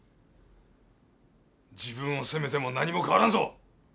自分を責めても何も変わらんぞ！